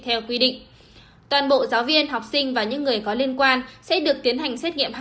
theo quy định toàn bộ giáo viên học sinh và những người có liên quan sẽ được tiến hành xét nghiệm